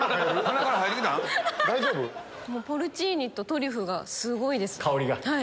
ポルチーニとトリュフがすごいです。